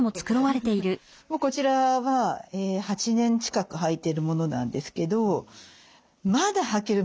もうこちらは８年近くはいてるものなんですけどまだはける。